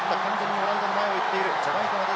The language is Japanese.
オランダの前を行っている。